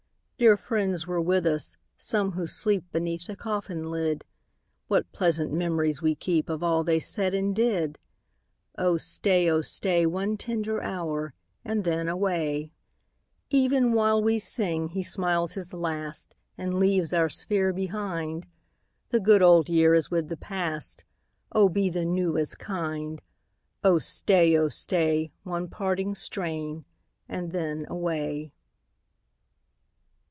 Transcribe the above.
Dear friends were with us, some who sleep Beneath the coffin lid : What pleasant memories we keep Of all they said and did ! Oh stay, oh stay, One tender hour, and then away. 37 Even while we sing he smiles his last And leaves our sphere behind. The good old year is with the past ; Oh be the new as kind ! Oh staj, oh stay, One parting strain, and then away.